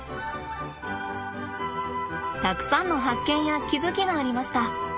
たくさんの発見や気付きがありました。